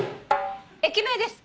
駅名です。